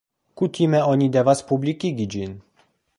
Kutime oni devas publikigi ĝin.